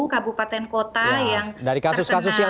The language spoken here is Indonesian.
kabupaten kota yang